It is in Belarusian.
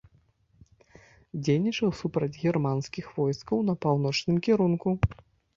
Дзейнічаў супраць германскіх войскаў на паўночным кірунку.